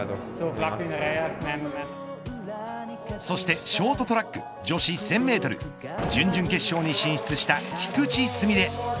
そしてショートトラック女子１０００メートル準々決勝に進出した菊池純礼。